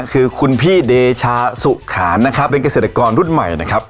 คือคุณพี่เดชาสุขานนะครับเป็นเกษตรกรรุ่นใหม่นะครับ